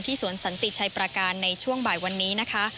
สวนสันติชัยประการในช่วงบ่ายวันนี้นะคะ